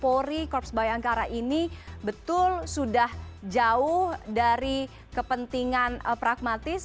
polri korps bayangkara ini betul sudah jauh dari kepentingan pragmatis